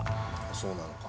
◆そうなのか。